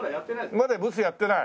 まだブスやってない？